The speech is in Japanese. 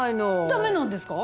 駄目なんですか？